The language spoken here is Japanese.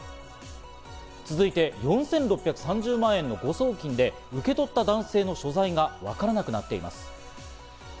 続いて４６３０万円の誤送金で受け取った男性の所在がわからなくなっています。